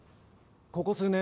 ここ数年